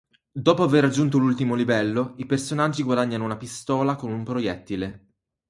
Dopo aver raggiunto l'ultimo livello, i personaggi guadagnano una pistola con un proiettile.